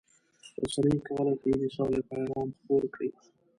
رسنۍ کولای شي د سولې پیغام خپور کړي.